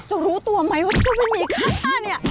จะรู้ตัวไหมว่าตัวนี้ข้างหน้านี่